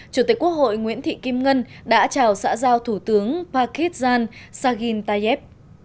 chủ tịch quốc hội nguyễn thị kim ngân đã chào xã giao thủ tướng pakistan saghin tayeb